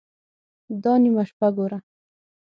_دا نيمه شپه ګوره!